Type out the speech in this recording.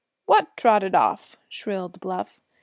"What trotted off?" shrilled Bluff.